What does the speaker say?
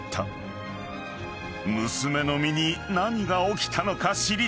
［娘の身に何が起きたのか知りたい］